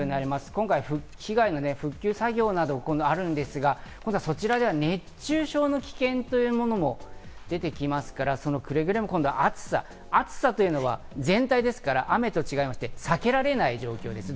今回、被害の復旧作業などがあるんですが、そちらでは熱中症の危険というものも出てきますから、くれぐれも今度は暑さ、暑さは全体ですから、雨と違って避けられない状況です。